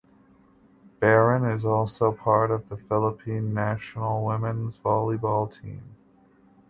Baron is also part of the Philippine National Women’s Volleyball Team.